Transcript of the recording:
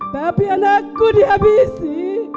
tapi anakku dihabisi